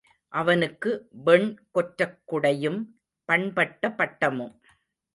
அவனுக்கு வெண் கொற்றக் குடையும், பண்பட்ட பட்டமும்.